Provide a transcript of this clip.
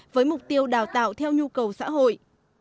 với mục tiêu đào tạo theo nhu cầu xã hội